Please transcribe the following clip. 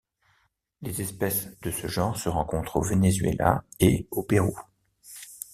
Les espèces de ce genre se rencontrent au Venezuela et au Pérou.